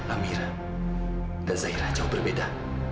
amira dan zahira jauh berbeda